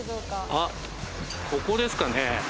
あここですかね？